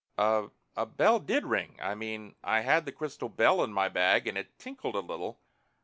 "A a bell did ring. I mean, I had the crystal bell in my bag and it tinkled a little.